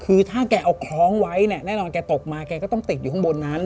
คือถ้าแกเอาคล้องไว้เนี่ยแน่นอนแกตกมาแกก็ต้องติดอยู่ข้างบนนั้น